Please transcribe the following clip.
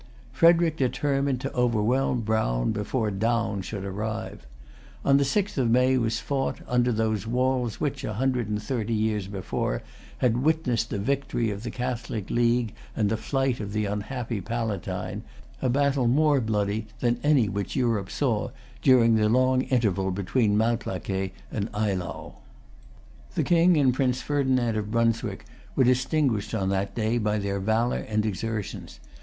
Frederic determined to[Pg 306] overwhelm Brown before Daun should arrive. On the sixth of May was fought, under those walls which, a hundred and thirty years before, had witnessed the victory of the Catholic league and the flight of the unhappy Palatine, a battle more bloody than any which Europe saw during the long interval between Malplaquet and Eylau. The King and Prince Ferdinand of Brunswick were distinguished on that day by their valor and exertions.